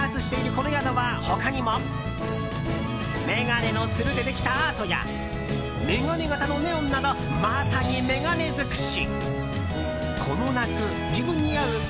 この宿は、他にも眼鏡のつるでできたアートや眼鏡型のネオンなどまさに眼鏡尽くし。